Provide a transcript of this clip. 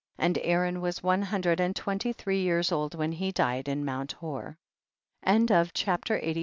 32. And Aaron was one hundred and twenty three years old when he died in mount Hor. CHAPTER LXXXV.